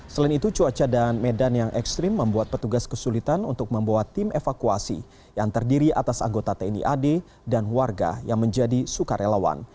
selain itu cuaca dan medan yang ekstrim membuat petugas kesulitan untuk membawa tim evakuasi yang terdiri atas anggota tni ad dan warga yang menjadi sukarelawan